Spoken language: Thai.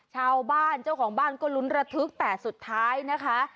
ชาวบ้านเจ้าของบ้านก็ลุ้นระทึกแต่สุดท้ายนะคะ